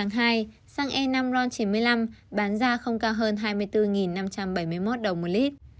ngày một mươi một hai xăng e năm ron chín mươi năm bán ra không cao hơn hai mươi bốn năm trăm bảy mươi một đồng một lit